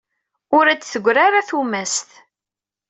Ur as-d-teggri ara tumast.